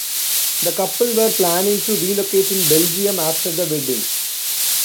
The couple were planning to relocate in Belgium after the wedding.